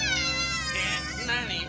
えっなに？